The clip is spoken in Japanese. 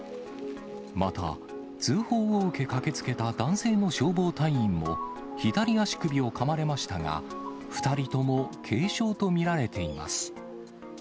また、通報を受け駆けつけた男性の消防隊員も、左足首をかまれましたが、２人とも軽傷と見られています。